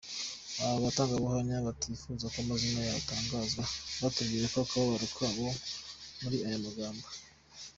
Aba batangabuhamya batifuje ko amazina yabo atangazwa, batubwiye akababaro kabo muri aya magambo.